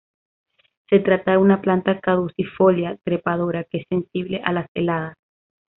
Se trata de una planta caducifolia trepadora que es sensible a las heladas.